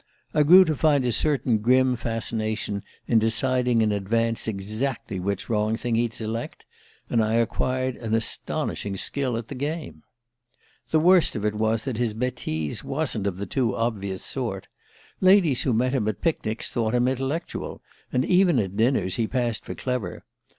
I grew to find a certain grim fascination in deciding in advance exactly which wrong thing he'd select; and I acquired an astonishing skill at the game ... "The worst of it was that his betise wasn't of the too obvious sort. Ladies who met him at picnics thought him intellectual; and even at dinners he passed for clever.